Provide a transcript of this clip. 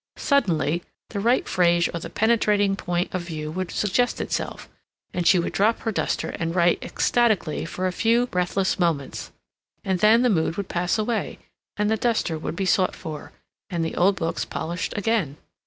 Suddenly the right phrase or the penetrating point of view would suggest itself, and she would drop her duster and write ecstatically for a few breathless moments; and then the mood would pass away, and the duster would be sought for, and the old books polished again.